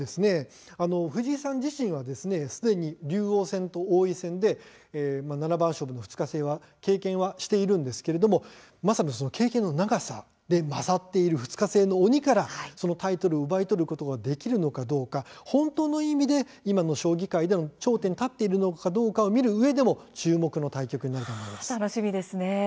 藤井さん自身はすでに竜王戦と王位戦で七番勝負の２日制はすでに経験しているんですけれどもまさに経験の長さで勝っている「２日制の鬼」からタイトルを奪い取ることができるのかどうか本当の意味で今の将棋界の頂点に立っているのかどうかを見るうえ楽しみですね。